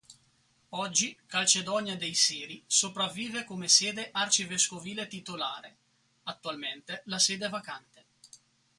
Oggi Calcedonia dei Siri sopravvive come sede arcivescovile titolare; attualmente la sede è vacante.